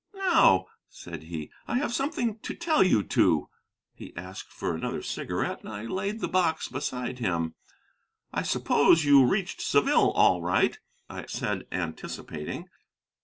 "Now," said he, "I have something to tell you two." He asked for another cigarette, and I laid the box beside him. "I suppose you reached Saville all right," I said, anticipating.